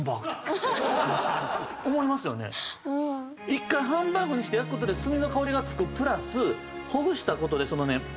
一回ハンバーグにして焼く事で炭の香りがつくプラスほぐした事でそのね